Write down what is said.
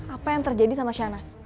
apa yang terjadi sama shanas